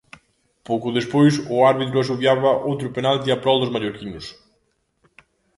Pouco despois, o árbitro asubiaba outro penalti a prol dos mallorquinos.